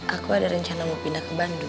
aku ada rencana mau pindah ke bandung